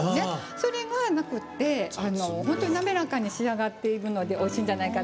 それがなくって本当になめらかに仕上がってるのでおいしいんじゃないかって。